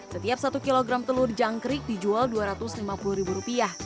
setiap satu kg telur jangkrik dijual dua ratus lima puluh ribu rupiah